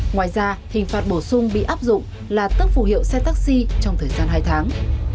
ngoài ra hình phạt bổ sung bị áp dụng là tức phù hiệu xe taxi trong thời gian hai tháng